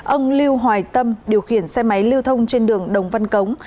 ông lưu hoài tâm điều khiển xe máy lưu thông trên đường đồng văn cống